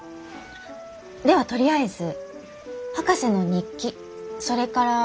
ではとりあえず博士の日記それから標本の新聞日付